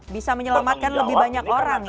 bisa menyelamatkan lebih banyak orang